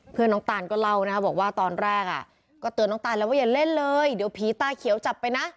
น้องตานก็เล่านะครับบอกว่าตอนแรกอ่ะก็เตือนน้องตานแล้วว่าอย่าเล่นเลยเดี๋ยวผีตาเขียวจับไปนะ